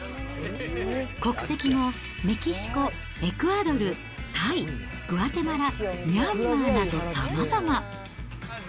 国籍もメキシコ、エクアドル、タイ、グアテマラ、ミャンマーなどさまざま。